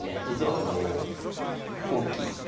実は今期